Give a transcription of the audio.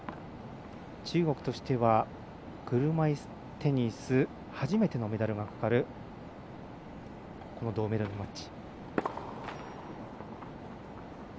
中国としては、車いすテニス初めてのメダルがかかるこの銅メダルマッチ。